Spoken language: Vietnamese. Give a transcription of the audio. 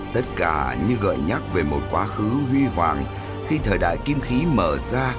tất cả như gợi nhắc về một quá khứ huy hoàng